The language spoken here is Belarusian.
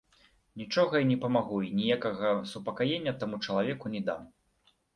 Нічога я не памагу і ніякага супакаення таму чалавеку не дам.